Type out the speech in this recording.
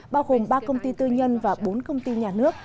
bao gồm ba công ty tư nhân và bốn công ty nhà nước